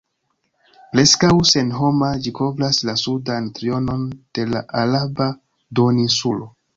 Preskaŭ senhoma, ĝi kovras la sudan trionon de la Araba duoninsulo.